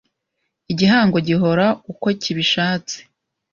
Igihango gihora uko kibishatse